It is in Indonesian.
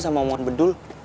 sama om wan bedul